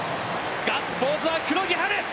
ガッツポーズは黒木陽琉！